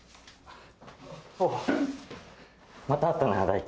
おおまた会ったな大樹。